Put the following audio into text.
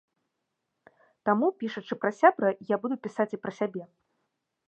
Таму, пішучы пра сябра, я буду пісаць і пра сябе.